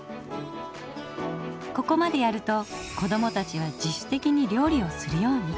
ここまでやると子どもたちは自主的に料理をするように。